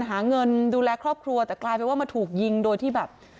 หาเงินดูแลครอบครัวแต่กลายเป็นว่ามาถูกยิงโดยที่แบบ